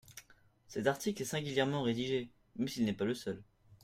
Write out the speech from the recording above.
Cet article est singulièrement rédigé – même s’il n’est pas le seul.